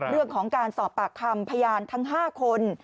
เรื่องของการสอบปากคำพยานทั้ง๕คน